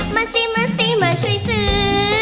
มาสิมาสิมาช่วยซื้อ